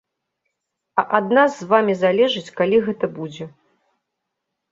А ад нас з вамі залежыць, калі гэта будзе.